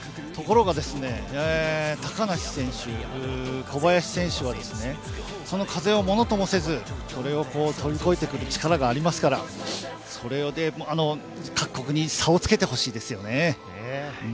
ところがですね、高梨選手、小林選手はその風をものともせず、それを飛び越えてくる力がありますから、それで各国に差をつけてほしいですね。